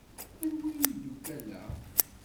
Anwa imeddukal-a?